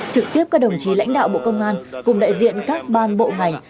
trực tiếp các đồng chí lãnh đạo bộ công an cùng đại diện các ban bộ ngành